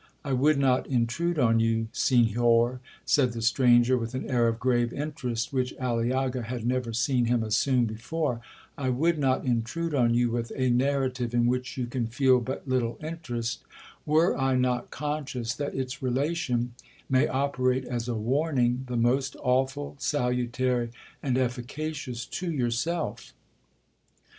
'I would not intrude on you, Senhor,' said the stranger, with an air of grave interest which Aliaga had never seen him assume before—'I would not intrude on you with a narrative in which you can feel but little interest, were I not conscious that its relation may operate as a warning the most awful, salutary, and efficacious to yourself.'